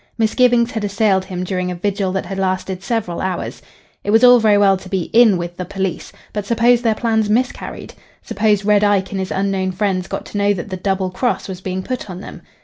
Misgivings had assailed him during a vigil that had lasted several hours. It was all very well to be "in with" the police; but suppose their plans miscarried? Suppose Red Ike and his unknown friends got to know that the "double cross" was being put on them?